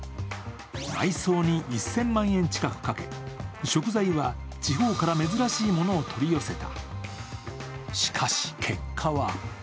内装に１０００万円近くかけ食材は地方から珍しいものを取り寄せた。